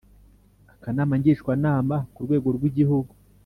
Akanama Ngishwanama ku rwego rw Igihugu